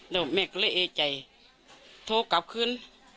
แล้วแม่ก็เลยเอใจโทรกลับคืน